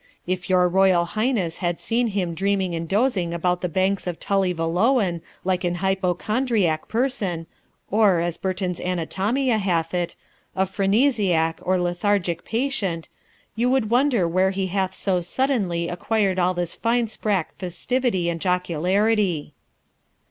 If your Royal Highness had seen him dreaming and dozing about the banks of Tully Veolan like an hypochondriac person, or, as Burton's "Anatomia" hath it, a phrenesiac or lethargic patient, you would wonder where he hath sae suddenly acquired all this fine sprack festivity and jocularity.'